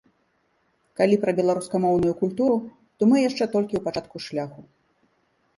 Калі пра беларускамоўную культуру, то мы яшчэ толькі ў пачатку шляху.